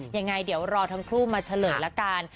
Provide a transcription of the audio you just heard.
ยังไงเดี๋ยวรอทั้งคู่มาเฉลยละกัน